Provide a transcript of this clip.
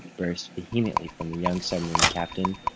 burst, vehemently, from the young submarine captain.